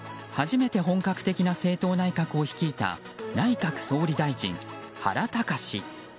初めて本格的な政党内閣を率いた内閣総理大臣、原敬。